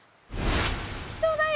人だよ！